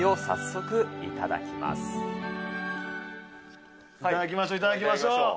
早速いただきましょう。